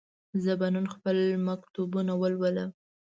زه به نن خپل مکتوبونه ولولم.